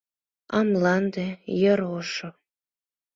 А мланде — йыр ошо.